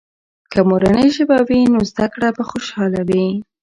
که مورنۍ ژبه وي، نو زده کړه به خوشحاله وي.